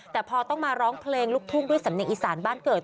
แต่พอต้องมาร้องเพลงลูกทุ่งด้วยสำเนียงอีสานบ้านเกิด